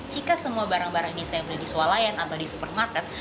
jika semua barang barang ini saya beli di sualayan atau di supermarket